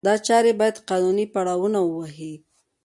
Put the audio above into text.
دا چارې باید قانوني پړاونه ووهي.